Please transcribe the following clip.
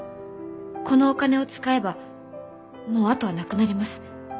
このお金を使えばもう後はなくなります。